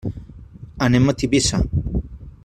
Anem a Tivissa.